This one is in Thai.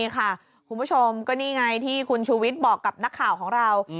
คุณผู้ชมก็นี่ไงที่คุณชูวิทย์บอกกับนักข่าวของเรา